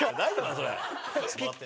それ。